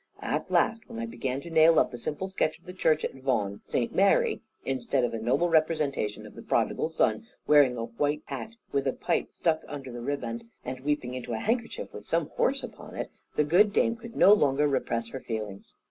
At last, when I began to nail up a simple sketch of the church at Vaughan St. Mary instead of a noble representation of the Prodigal Son, wearing a white hat with a pipe stuck under the riband, and weeping into a handkerchief with some horse upon it, the good dame could no longer repress her feelings.